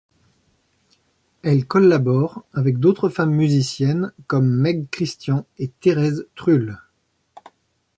Elle collabore avec d'autres femmes musiciennes, comme Meg Christian et Thérèse Trull.